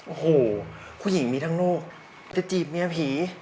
โอ้โหเพื่อนมีทั้งนู่กจะจีบเมียผี